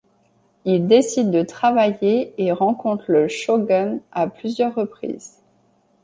Ils décident de travailler et rencontrent le shogun à plusieurs reprises.